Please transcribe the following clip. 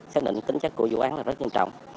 xác định tính chất của vụ án là rất nghiêm trọng